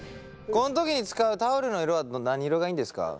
この時に使うタオルの色は何色がいいんですか？